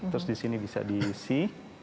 terus di sini bisa diisi